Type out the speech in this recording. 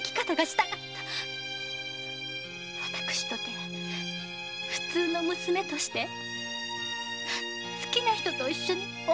私とて普通の娘として好きな人と一緒に思いをとげたい。